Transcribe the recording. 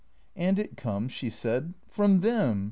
" And it comes," she said, " from them.